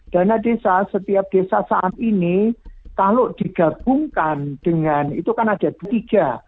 dana desa setiap desa saat ini kalau digabungkan dengan itu kan ada tiga